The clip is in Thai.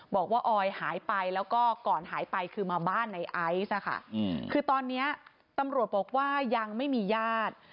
ออยหายไปแล้วก็ก่อนหายไปคือมาบ้านในไอซ์คือตอนนี้ตำรวจบอกว่ายังไม่มีญาติ